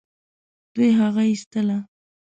دوی هغه ايستله.